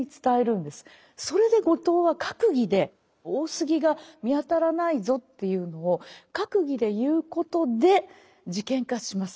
それで後藤は閣議で大杉が見当たらないぞっていうのを閣議で言うことで事件化します。